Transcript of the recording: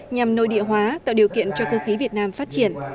nhằm nội địa hóa tạo điều kiện cho cơ khí việt nam phát triển